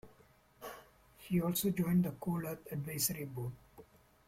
He also joined the Cool Earth advisory board.